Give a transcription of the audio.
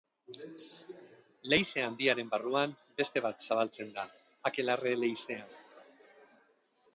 Leize Handiaren barruan, beste bat zabaltzen da: Akelarre leizea.